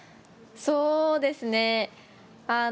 そうですね。